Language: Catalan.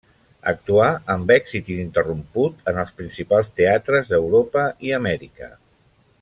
Actuà amb èxit ininterromput en els principals teatres d'Europa i Amèrica.